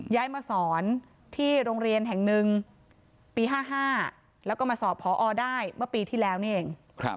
ย้ายมาสอนที่โรงเรียนแห่งหนึ่งปี๕๕แล้วก็มาสอบพอได้เมื่อปีที่แล้วนี่เอง